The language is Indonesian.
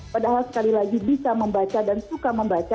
padahal sekali lagi bisa membaca dan suka membaca